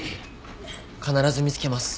必ず見つけます。